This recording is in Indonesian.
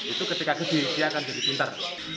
itu ketika kecil dia akan jadi pintar